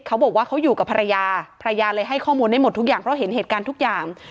เขาบอกว่าเขาอยู่กับภรรยาภรรยาเลยให้ข้อมูลได้หมดทุกอย่างเพราะเห็นเหตุการณ์ทุกอย่าง